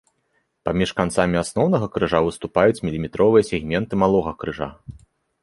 Паміж канцамі асноўнага крыжа выступаюць міліметровыя сегменты малога крыжа.